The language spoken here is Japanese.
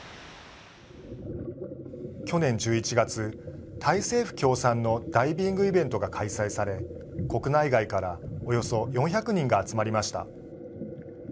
去年１１月、タイ政府協賛のダイビングイベントが開催され国内外からおよそ４００人が集まりました。